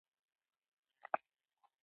کتاب د زړونو ترمنځ اړیکې پیاوړې کوي.